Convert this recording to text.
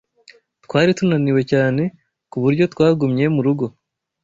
Twari tunaniwe cyane, ku buryo twagumye mu rugo.